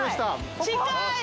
近い！